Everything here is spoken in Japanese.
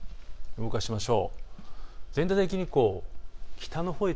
動かしましょう。